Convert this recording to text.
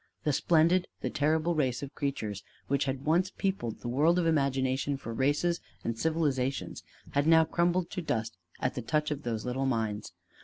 The splendid, the terrible race of creatures which once had peopled the world of imagination for races and civilizations had now crumbled to dust at the touch of those little minds.